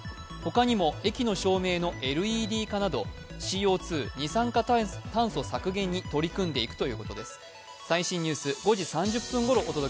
他にも駅の照明のＬＥＤ化などＣＯ２＝二酸化対策削減対策に取り組んでいくということです。